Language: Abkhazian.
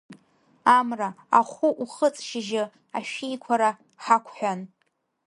Амра, ахәы ухыҵ шьыжьы, ашәеиқәара ҳақәҳәан!